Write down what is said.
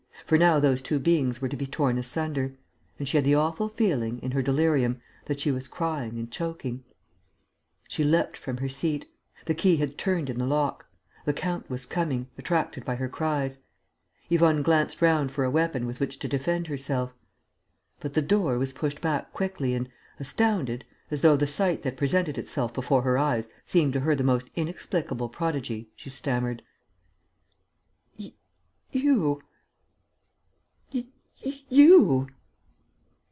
For now those two beings were to be torn asunder; and she had the awful feeling, in her delirium, that she was crying and choking.... She leapt from her seat. The key had turned in the lock. The count was coming, attracted by her cries. Yvonne glanced round for a weapon with which to defend herself. But the door was pushed back quickly and, astounded, as though the sight that presented itself before her eyes seemed to her the most inexplicable prodigy, she stammered: "You!... You!..."